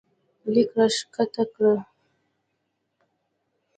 لیک راښکته کړه